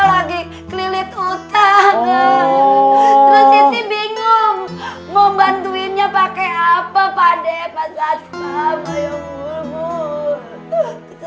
lagi kelilit utang bingung membantuinya pakai apa pak dekat